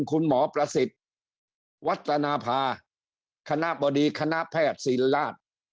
คุณหมอประสิทธิ์วัฒนภาคณะบดีคณะแพทย์ศิลราช